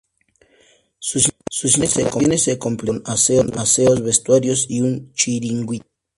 Sus instalaciones se completaron con aseos, vestuarios y un chiringuito.